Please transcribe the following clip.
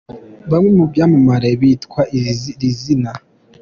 Bamwe mu byamamare bitwa izi zina.